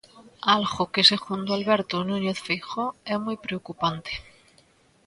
Algo, que segundo Alberto Núñez Feijóo, é moi preocupante.